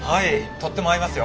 とっても合いますよ。